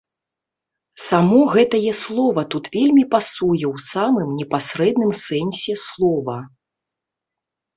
Само гэтае слова тут вельмі пасуе ў самым непасрэдным сэнсе слова.